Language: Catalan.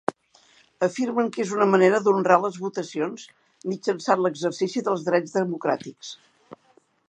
Afirmen que és una manera d'honrar les votacions mitjançant l'exercici dels drets democràtics.